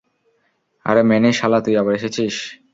আরে ম্যানি, শালা তুই আবার এসেছিস?